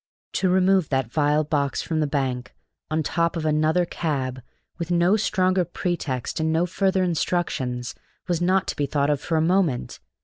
To remove that vile box from the bank, on top of another cab, with no stronger pretext and no further instructions, was not to be thought of for a moment.